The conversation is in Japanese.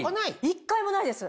１回もないです。